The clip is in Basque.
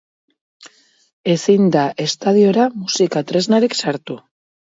Ezin da estadiora musika tresnarik sartu.